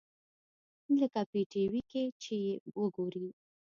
لکه په ټي وي کښې چې يې وګورې.